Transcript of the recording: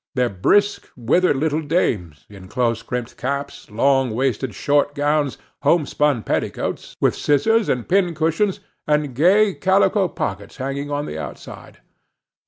Their brisk, withered little dames, in close crimped caps, long waisted short gowns, homespun petticoats, with scissors and pincushions, and gay calico pockets hanging on the outside.